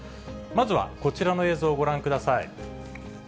まずは、こちらの映像をご覧ください。